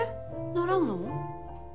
習うの？